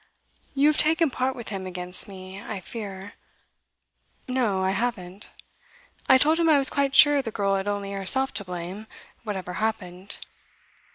You have taken part with him against me, I fear ' 'No, I haven't. I told him I was quite sure the girl had only herself to blame, whatever happened.